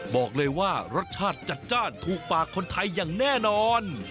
บอกเลยว่ารสชาติจัดจ้านถูกปากคนไทยอย่างแน่นอน